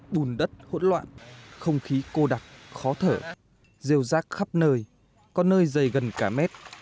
bùn đất hỗn loạn không khí cô đặc khó thở rêu rác khắp nơi có nơi dày gần cả mét